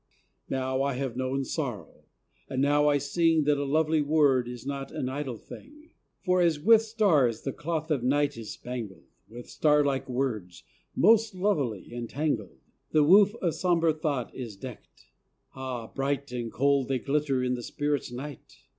Now I have known sorrow, and now I sing That a lovely word is not an idle thing; For as with stars the cloth of night is spangled, With star like words, most lovelily entangled, The woof of sombre thought is deckt.... Ah, bright And cold they glitter in the spirit’s night!